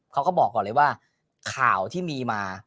เขาก็บอกก่อนเลยว่าข่าวที่มีมา